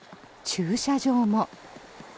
駐車場も。